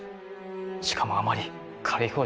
しかもあまり軽い方じゃない。